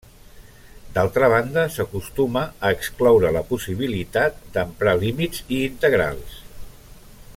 D'altra banda, s'acostuma a excloure la possibilitat d'emprar límits i integrals.